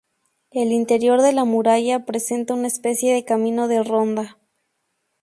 El interior de la muralla presenta una especie de camino de ronda.